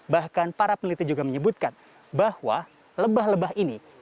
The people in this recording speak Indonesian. bahkan para peneliti juga menyebutkan bahwa lebah lebah ini